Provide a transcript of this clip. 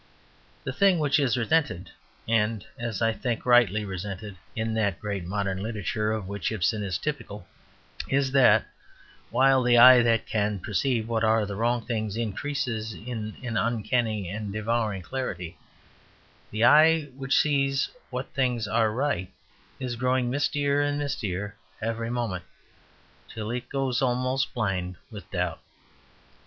The thing which is resented, and, as I think, rightly resented, in that great modern literature of which Ibsen is typical, is that while the eye that can perceive what are the wrong things increases in an uncanny and devouring clarity, the eye which sees what things are right is growing mistier and mistier every moment, till it goes almost blind with doubt.